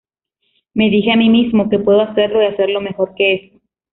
Me dije a mí mismo que puedo hacerlo y hacerlo mejor que eso.